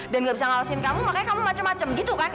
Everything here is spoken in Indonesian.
dan gak bisa ngawasin kamu makanya kamu macem macem gitu kan